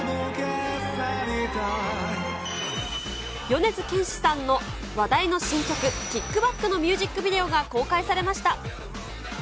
米津玄師さんの話題の新曲、キックバックのミュージックビデオが公開されました。